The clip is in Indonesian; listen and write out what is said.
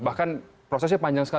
bahkan prosesnya panjang sekali